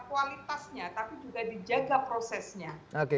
kualitasnya tapi juga dijaga prosesnya